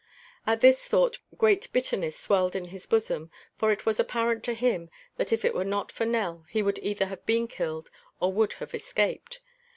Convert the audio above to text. At this thought great bitterness swelled in his bosom, for it was apparent to him that if it were not for Nell he would either have been killed or would have escaped.